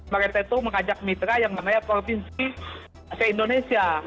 mereka itu mengajak mitra yang mengelola provinsi ke indonesia